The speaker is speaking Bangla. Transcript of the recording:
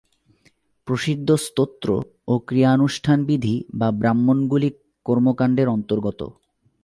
প্রসিদ্ধ স্তোত্র ও ক্রিয়ানুষ্ঠানবিধি বা ব্রাহ্মণগুলি কর্মকাণ্ডের অন্তর্গত।